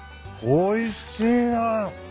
おいしいな。